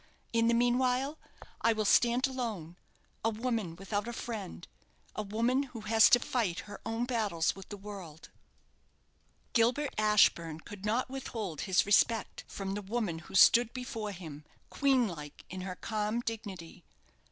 In the meanwhile, I will stand alone a woman without a friend, a woman who has to fight her own battles with the world." Gilbert Ashburne could not withhold his respect from the woman who stood before him, queen like in her calm dignity.